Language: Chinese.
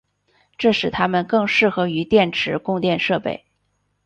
这使它们更适合于电池供电设备。